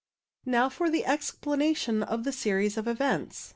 Now for the explanation of the series of events.